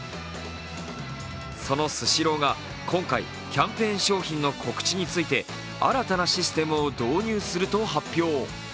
そのスシローが今回キャンペーン商品の告知について新たなシステムを導入すると発表。